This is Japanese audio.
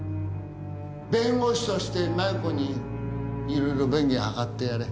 弁護士として繭子にいろいろ便宜図ってやれ。